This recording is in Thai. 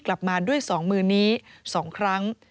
กลับมาด้วยสองมือนี้สองครั้ง